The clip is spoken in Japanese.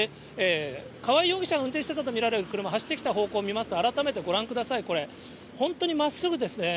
川合容疑者が運転していたと見られる車、走ってきた方向見ますと、改めてご覧ください、これ、本当にまっすぐですね。